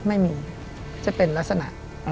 ไม่มีจะเป็นลักษณะ